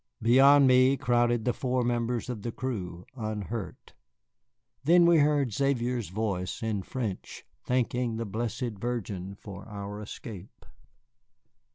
Beyond me crowded the four members of the crew, unhurt. Then we heard Xavier's voice, in French, thanking the Blessed Virgin for our escape.